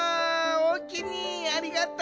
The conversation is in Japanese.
おおきにありがと！